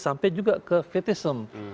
sampai juga ke fetisem